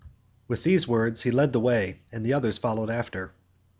With these words he led the way, and the others followed after.